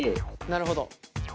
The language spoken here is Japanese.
なるほど。